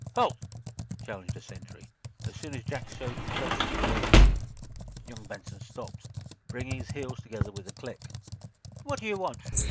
"Halt!" challenged a sentry, as soon as Jack showed his face through the gateway. Young Benson stopped, bringing his heels together with a click. "What do you want?